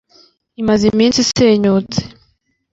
imaze iminsi isenyutse